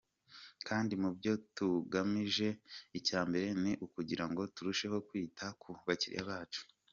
Kandi mu byo tugamije icya mbere ni ukugira ngo turusheho kwita ku bakiliya bacu.